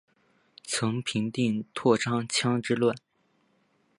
曾平定宕昌羌之乱。